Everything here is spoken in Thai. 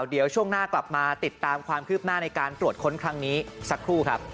เดี๋ยวช่วงหน้ากลับมาติดตามความคืบหน้าในการตรวจค้นครั้งนี้สักครู่ครับ